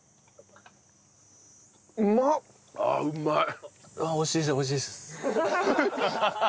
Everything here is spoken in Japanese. うまい！